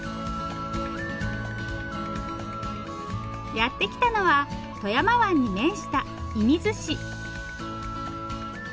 やって来たのは富山湾に面した射水市。